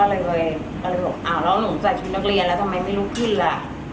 ก็เลยบอกอ้าวแล้วหนูใส่ชุดนักเรียนแล้วทำไมไม่ลุกขึ้นล่ะ